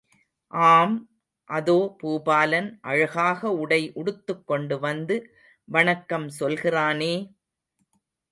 ஆம் அதோ பூபாலன் அழகாக உடை உடுத்துக் கொண்டு வந்து வணக்கம் சொல்கிறானே!